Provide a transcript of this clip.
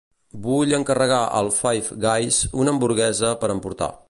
Vull encarregar al Five Guys una hamburguesa per emportar.